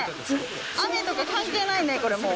雨とか関係ないね、これもう。